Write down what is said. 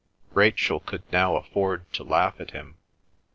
Rachel could now afford to laugh at him.